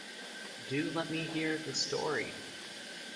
Do let me hear the story!